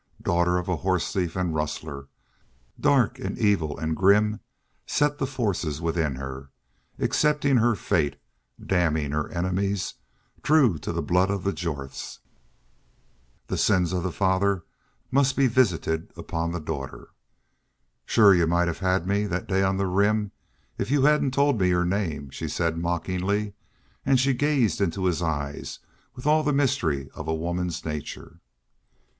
Daughter of a horse thief and rustler! Dark and evil and grim set the forces within her, accepting her fate, damning her enemies, true to the blood of the Jorths. The sins of the father must be visited upon the daughter. "Shore y'u might have had me that day on the Rim if y'u hadn't told your name," she said, mockingly, and she gazed into his eyes with all the mystery of a woman's nature.